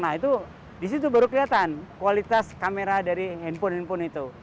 nah itu disitu baru kelihatan kualitas kamera dari handphone handphone itu